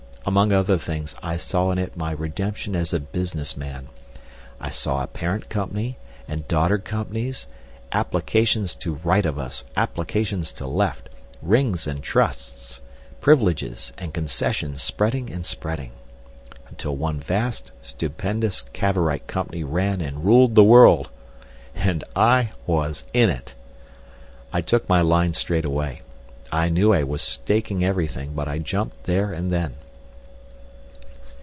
Among other things I saw in it my redemption as a business man. I saw a parent company, and daughter companies, applications to right of us, applications to left, rings and trusts, privileges, and concessions spreading and spreading, until one vast, stupendous Cavorite company ran and ruled the world. And I was in it! I took my line straight away. I knew I was staking everything, but I jumped there and then.